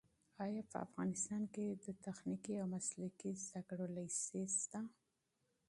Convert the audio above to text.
ایا په افغانستان کې د تخنیکي او مسلکي زده کړو لیسې شته؟